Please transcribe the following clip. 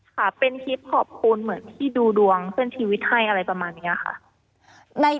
ค่ะเป็นคลิปขอบคุณเหมือนที่ดูดวงเพื่อนชีวิตให้อะไรประมาณนี้ค่ะ